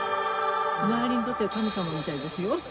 周りにとっては神様みたいですよ。